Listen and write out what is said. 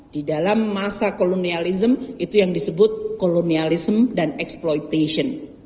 di dalam masa kolonialism itu yang disebut kolonialism dan exploitation